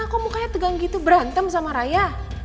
aku mukanya tegang gitu berantem sama raya